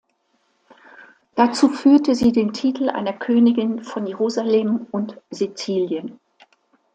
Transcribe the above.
Dazu führte sie den Titel einer Königin von Jerusalem und Sizilien.